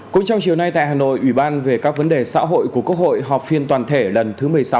cũng trong chiều nay tại hà nội ủy ban về các vấn đề xã hội của quốc hội họp phiên toàn thể lần thứ một mươi sáu